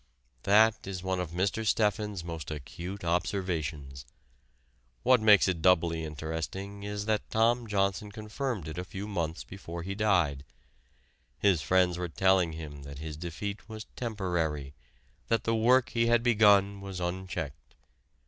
That is one of Mr. Steffens's most acute observations. What makes it doubly interesting is that Tom Johnson confirmed it a few months before he died. His friends were telling him that his defeat was temporary, that the work he had begun was unchecked.